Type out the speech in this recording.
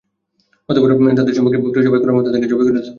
অতঃপর তাদের সম্মুখে বকরী জবাই করার মত তাকে জবাই করে দেয়া হত।